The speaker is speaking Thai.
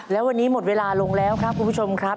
แล้ววันนี้หมดเวลาลงแล้วครับคุณผู้ชมครับ